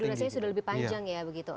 jadi durasinya sudah lebih panjang ya begitu